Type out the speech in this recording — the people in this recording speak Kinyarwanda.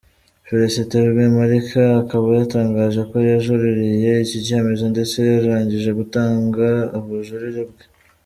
Félicité Rwemarika akaba yatangaje ko yajuririye iki cyemezo ndetse yarangije gutanga ubujurire bwe.